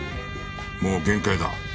もう限界だ。